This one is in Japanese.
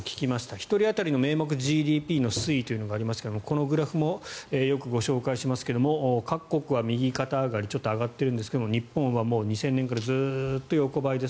１人当たりの名目ＧＤＰの推移というのがありますがこのグラフもよくご紹介しますが各国は右肩上がりちょっと上がっているんですが日本は２０００年からずっと横ばいです。